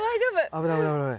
危ない危ない危ない。